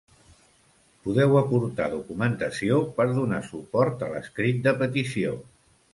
Podeu aportar documentació per donar suport a l'escrit de petició.